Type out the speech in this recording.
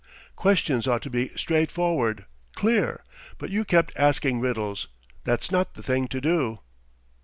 "Questions ought to be straightforward, clear, but you kept asking riddles. That's not the thing to do!"